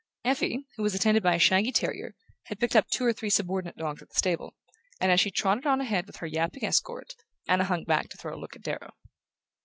Effie, who was attended by a shaggy terrier, had picked up two or three subordinate dogs at the stable; and as she trotted on ahead with her yapping escort, Anna hung back to throw a look at Darrow.